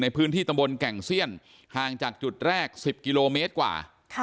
ในพื้นที่ตำบลแก่งเซียนห่างจากจุดแรก๑๐กิโลเมตรกว่า